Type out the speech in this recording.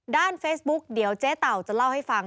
เฟซบุ๊กเดี๋ยวเจ๊เต่าจะเล่าให้ฟัง